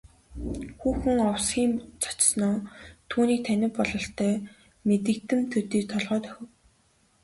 Хүүхэн овсхийн цочсоноо түүнийг танив бололтой мэдэгдэм төдий толгой дохив.